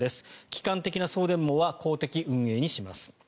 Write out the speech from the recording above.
基幹的な送電網は公的運営にします。